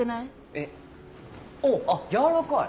えっあっ柔らかい。